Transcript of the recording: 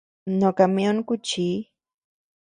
No camión kuchi.